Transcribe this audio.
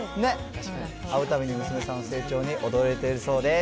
会うたびに娘さんの成長に驚いているそうです。